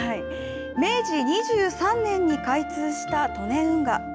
明治２３年に開通した利根運河。